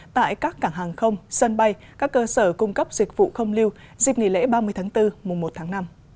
tại các cảng hàng không sân bay các cơ sở cung cấp dịch vụ không lưu dịp nghỉ lễ ba mươi tháng bốn mùa một tháng năm